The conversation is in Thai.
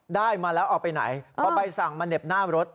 ได้มาแล้วเอาไปไหนพอใบสั่งมาเหน็บหน้ารถ